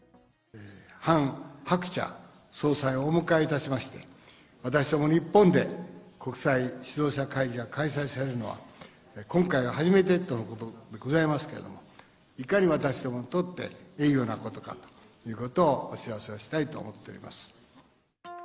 ハン・ハクチャ総裁をお迎えいたしまして、私ども日本で、国際指導者会議が開催されるのは、今回が初めてとのことでございますけれども、いかに私どもにとって栄誉なことかということをお知らせをしたいと思っております。